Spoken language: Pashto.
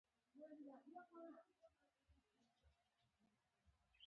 اکبر جان وویل: ماما خیر دی.